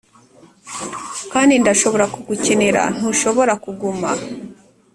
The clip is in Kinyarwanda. kandi ndashobora kugukenera; ntushobora kuguma? "